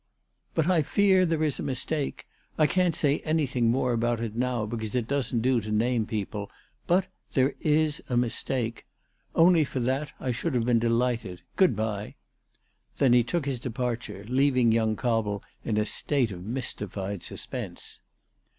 " But I fear there is a mistake. I can't say anything more about it now because it doesn't do to name people ; but there is a mistake. Only for that I should have been delighted. Good bye." Then he took his departure, leaving young Cobble in a state of mys tified suspense.